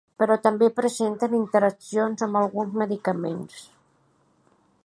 Però també presenten interaccions amb alguns medicaments.